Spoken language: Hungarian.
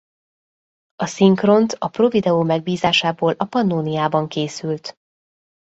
A szinkront a Pro Video megbízásából a Pannóniában készült.